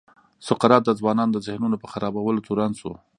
سقراط د ځوانانو د ذهنونو په خرابولو تورن شو.